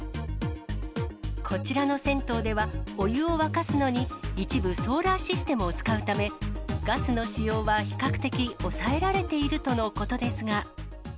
こちらの銭湯では、お湯を沸かすのに、一部ソーラーシステムを使うため、ガスの使用は比較的抑えられているとのことですが。